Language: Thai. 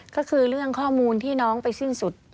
ก็คือเรื่องข้อมูลที่น้องไปสิ้นสุด